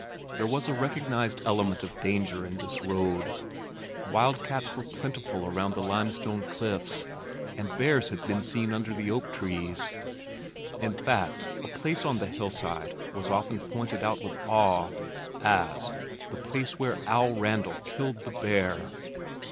There was a recognized element of danger in this road. Wildcats were plentiful around the limestone cliffs, and bears had been seen under the oak trees. In fact a place on the hillside was often pointed out with awe as "the place where Al Randal killed the bear."